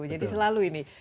jadi selalu ini